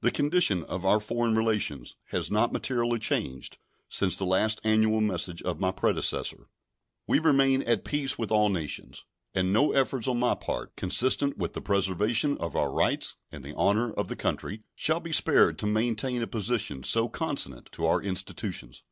The condition of our foreign relations has not materially changed since the last annual message of my predecessor. We remain at peace with all nations, and no efforts on my part consistent with the preservation of our rights and the honor of the country shall be spared to maintain a position so consonant to our institutions.